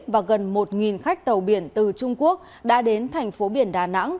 và gần một khách tàu biển từ trung quốc đã đến thành phố biển đà nẵng